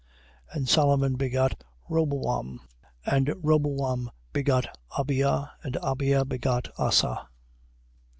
1:7. And Solomon begot Roboam. And Roboam begot Abia. And Abia begot Asa.